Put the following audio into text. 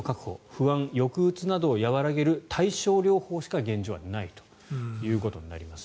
不安、抑うつなどを和らげる対症療法しか現状はないということになります。